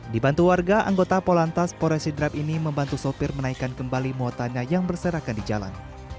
dibantu warga anggota polantas pores sidrap ini membantu sopir menaikkan kembali muatannya yang berserakan di jalan